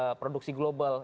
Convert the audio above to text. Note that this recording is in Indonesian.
tata niaga produksi global ya